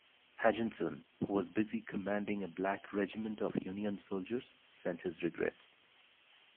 Higginson, who was busy commanding a black regiment of Union soldiers, sent his regrets.